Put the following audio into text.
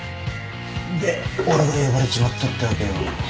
で俺が呼ばれちまったってわけよ。